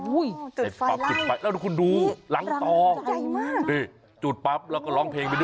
อุ๊ยจุดไฟไล่แล้วคุณดูรังต่อจุดปั๊บแล้วก็ร้องเพลงไปด้วย